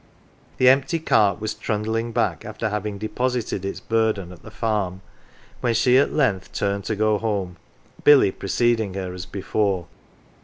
The empty cart was trundling back after having deposited its burden at the farm, when she at length turned to go home, Billy pre ceding her as before.